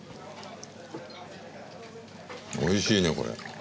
おいしいねこれ。